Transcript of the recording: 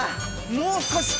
もう少し。